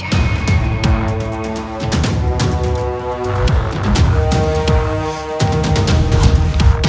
aku akan mencari dia